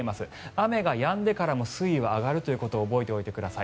雨がやんでからも水位が上がるということを覚えておいてください。